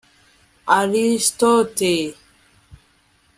aristote